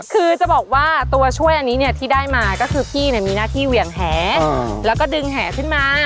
คือจะบอกว่าตัวช่วยอันนี้เนี่ยที่ได้มาก็คือพี่มีหน้าที่เหวี่ยงแหแล้วก็ดึงแหขึ้นมา